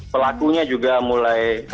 pelakunya juga mulai